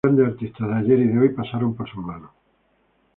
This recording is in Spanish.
Grandes artistas de ayer y de hoy pasaron por sus manos.